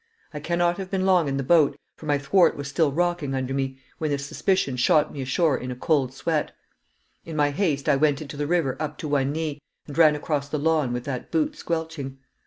I cannot have been long in the boat, for my thwart was still rocking under me, when this suspicion shot me ashore in a cold sweat. In my haste I went into the river up to one knee, and ran across the lawn with that boot squelching.